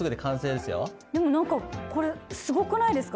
でも何かこれすごくないですか？